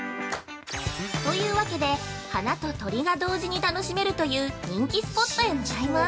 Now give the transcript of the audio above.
◆というわけで花と鳥が同時に楽しめるという人気スポットへ向かいます。